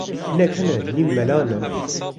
Hinek hene nîv mela ne